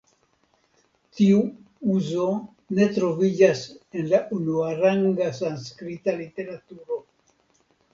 Tiu uzo ne troviĝas en la unuaranga sanskrita literaturo.